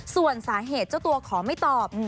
ส่วนสาเหตุเจ้าตัวขอไม่ตอบ